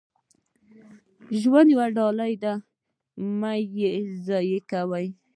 • ژوند یوه ډالۍ ده، مه یې ضایع کوه.